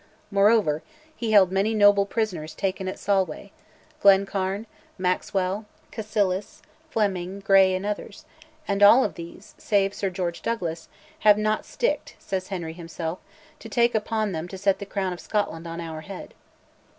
Moreover, he held many noble prisoners taken at Solway Glencairn, Maxwell, Cassilis, Fleming, Grey, and others, and all of these, save Sir George Douglas, "have not sticked," says Henry himself, "to take upon them to set the crown of Scotland on our head."